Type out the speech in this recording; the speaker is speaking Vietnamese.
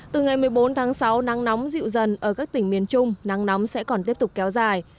từ ngày một mươi bốn tháng sáu nắng nóng dịu dần ở các tỉnh miền trung nắng nóng sẽ còn tiếp tục kéo dài